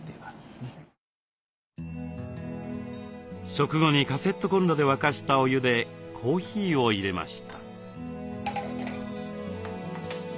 食後にカセットコンロで沸かしたお湯でコーヒーをいれました。